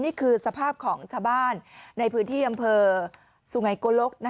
นี่คือสภาพของชาวบ้านในพื้นที่อำเภอสุไงโกลก